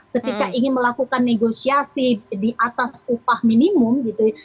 ketika ingin melakukan negosiasi di atas upah minimum gitu ya